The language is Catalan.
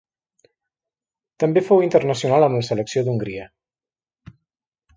També fou internacional amb la selecció d'Hongria.